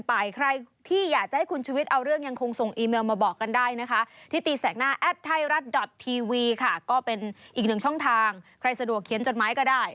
เป็นอีก๑ช่องทางใครสะดวกเขียนจดหมายก็ได้